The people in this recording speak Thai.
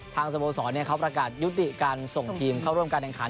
สโมสรเขาประกาศยุติการส่งทีมเข้าร่วมการแข่งขัน